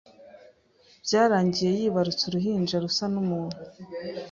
byarangiye yibarutse uruhinja rusa nu muntu.